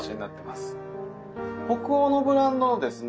北欧のブランドのですね